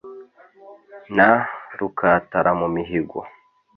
Na Rukataramumihigo